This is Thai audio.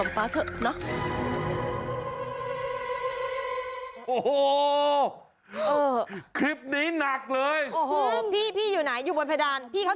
โอ๊ยสปายเดอร์แมนจะไปอยู่หรือนั้นได้อย่างไรเรา